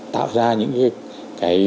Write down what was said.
tạo ra những cái